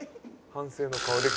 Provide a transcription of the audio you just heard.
反省の顔で。